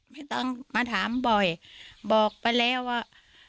ไม่ต้องมาถามบ่อยบอกไปแล้วว่า